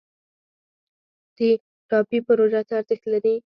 د ټاپي پروژه څه ارزښت لري؟